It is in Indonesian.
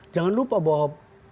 jangan lupa bahwa